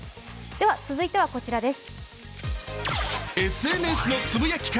続いてはこちらです。